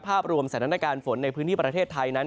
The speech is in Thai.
ภาพรวมสถานการณ์ฝนในพื้นที่ประเทศไทยนั้น